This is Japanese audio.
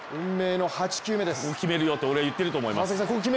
決めるよと言ってると思います。